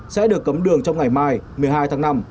sẽ được cấm đường trong ngày mai một mươi hai tháng năm